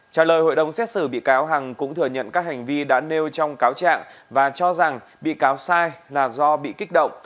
trả lời hội đồng xét xử bị cáo hằng cũng thừa nhận các hành vi đã nêu trong cáo trạng và cho rằng bị cáo sai là do bị kích động